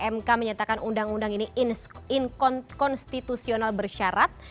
mk menyatakan undang undang ini inkonstitusional bersyarat